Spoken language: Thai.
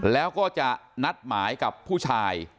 แล้วก็จะนัดหมายกับผู้ชาย